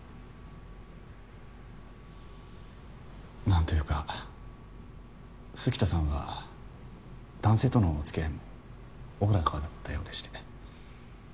何というか吹田さんは男性とのお付き合いもおおらかだったようでして。